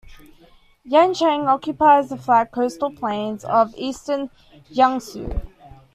Yancheng occupies the flat coastal plains of Eastern Jiangsu.